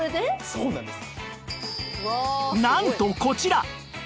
そうなんです。